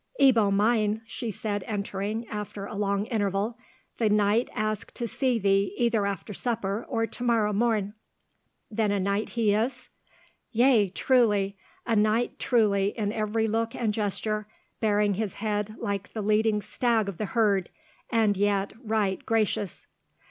"Ebbo mine," she said, entering, after a long interval, "the knight asks to see thee either after supper, or to morrow morn." "Then a knight he is?" "Yea, truly, a knight truly in every look and gesture, bearing his head like the leading stag of the herd, and yet right gracious."